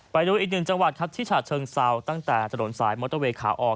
ไปดูอีกหนึ่งจังหวัดครับที่ฉาเชิงเซาตั้งแต่ถนนสายมอเตอร์เวย์ขาออก